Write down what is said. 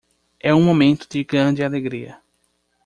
É um momento de grande alegria